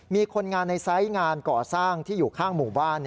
มีคนงานในไซส์งานก่อสร้างที่อยู่ข้างหมู่บ้าน